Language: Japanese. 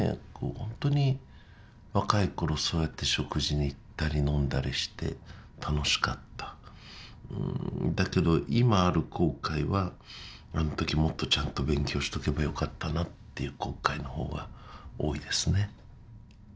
ほんとに若い頃そうやって食事に行ったり飲んだりして楽しかっただけど今ある後悔はあの時もっとちゃんと勉強しとけばよかったなっていう後悔のほうが多いですね